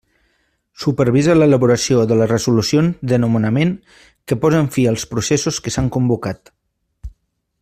Supervisa l'elaboració de les resolucions de nomenament que posen fi als processos que s'han convocat.